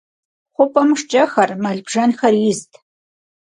Xhup'em şşç'exer, mel - bjjenxer yizt.